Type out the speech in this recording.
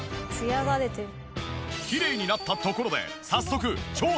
きれいになったところで早速。